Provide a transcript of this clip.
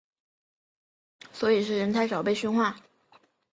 所以是人太少所以被训话？